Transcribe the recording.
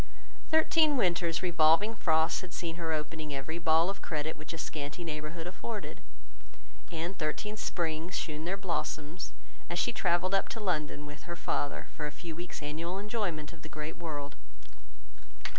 Thirteen winters' revolving frosts had seen her opening every ball of credit which a scanty neighbourhood afforded, and thirteen springs shewn their blossoms, as she travelled up to London with her father, for a few weeks' annual enjoyment of the great world.